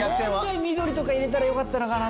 緑入れたらよかったかな。